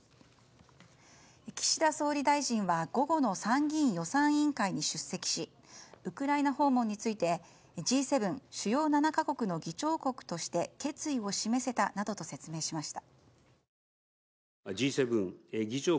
岸田総理大臣は午後の参議院予算委員会に出席しウクライナ訪問についてＧ７・主要７か国の議長国として決意を示せたなどと説明しました。